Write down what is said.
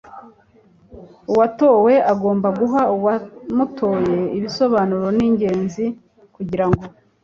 uwatowe agomba guha uwamutoye ibisobanuro ni ingenzi kugira ngo